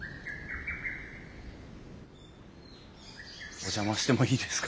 お邪魔してもいいですか？